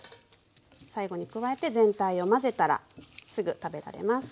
最後に加えて全体を混ぜたらすぐ食べられます。